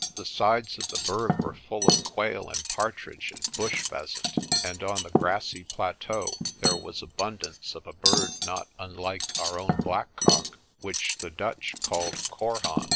The sides of the Berg were full of quail and part ridge and bush pheasant, and on the grassy plateau there was abundance of a bird not unlike our own blackcock, which the Dutch called korhaan.